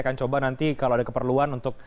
akan coba nanti kalau ada keperluan untuk